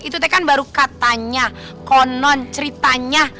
itu kan baru katanya konon ceritanya